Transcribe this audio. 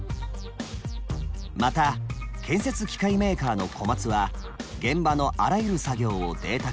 また建設機械メーカーのコマツは現場のあらゆる作業をデータ化。